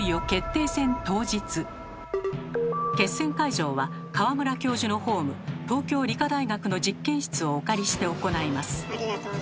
決戦会場は川村教授のホーム東京理科大学の実験室をお借りして行います。